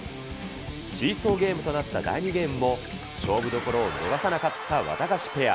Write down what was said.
シーソーゲームとなった第２ゲームも、勝負どころを逃さなかったワタガシペア。